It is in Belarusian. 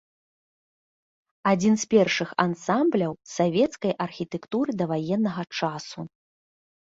Адзін з першых ансамбляў савецкай архітэктуры даваеннага часу.